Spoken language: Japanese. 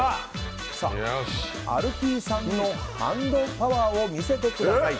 アルピーさんのハンドパワーを見せてください。